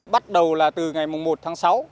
bắt đầu là từ ngày một tháng sáu